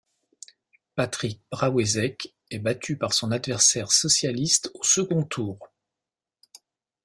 Patrick Braouezec est battu par son adversaire socialiste au second tour.